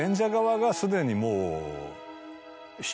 すでにもう。